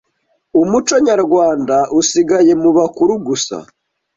Umuco nyarwanda usigaye mu bakuru gusa